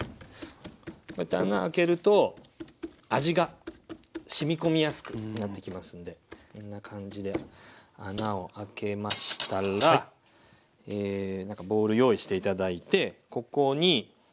こうやって穴開けると味がしみ込みやすくなってきますんでこんな感じで穴を開けましたらなんかボウル用意して頂いてここにお塩ですね。